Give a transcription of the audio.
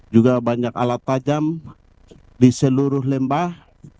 juga banyak alat tajam di seluruh lembah